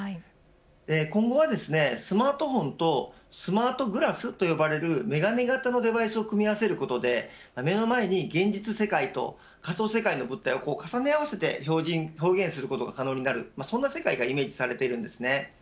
今後は、スマートフォンとスマートグラスと呼ばれる眼鏡型のデバイスを組み合わせることで目の前に現実世界と仮想世界の物体を重ね合わせて表現することが可能になるそんな世界がイメージされています。